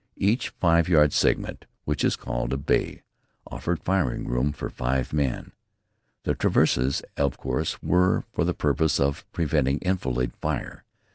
Each five yard segment, which is called a "bay," offered firing room for five men. The traverses, of course, were for the purpose of preventing enfilade fire.